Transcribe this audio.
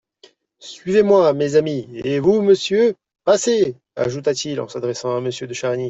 Suivez-moi, mes amis, et vous, monsieur, passez, ajouta-t-il en s'adressant à Monsieur de Charny.